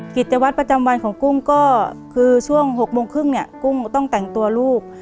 กิจวัตรประจำวันของกุ้งก็คือช่วง๖โมงครึ่งเนี่ยกุ้งต้องแต่งตัวลูก